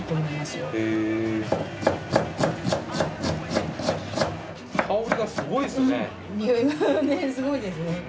うんすごいですね。